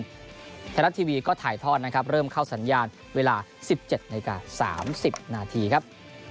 ไทยรัฐทีวีก็ถ่ายทอดนะครับเริ่มเข้าสัญญาณเวลา๑๗นาที๓๐นาทีครับ